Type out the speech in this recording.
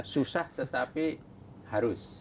susah tetapi harus